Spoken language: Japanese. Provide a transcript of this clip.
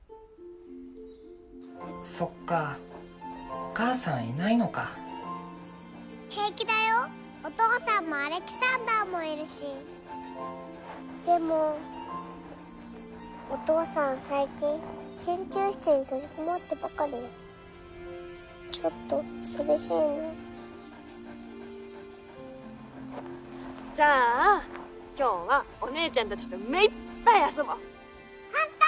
そっかお母さんいないのか平気だよお父さんもアレキサンダーもいるしでもお父さん最近研究室に閉じこもってばかりちょっと寂しいなじゃあ今日はお姉ちゃん達と目いっぱい遊ぼうホント？